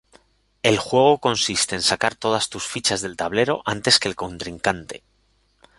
El juego consiste en sacar todas tus fichas del tablero antes que el contrincante.